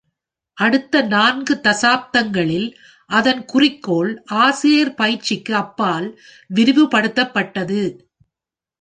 அடுத்த நான்கு தசாப்தங்களில், அதன் குறிக்கோள் ஆசிரியர் பயிற்சிக்கு அப்பால் விரிவுபடுத்தப்பட்டது.